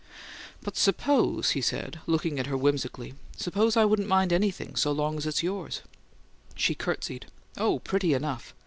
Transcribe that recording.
"But suppose," he said, looking at her whimsically; "suppose I wouldn't mind anything so long as it's yours?" She courtesied. "Oh, pretty enough!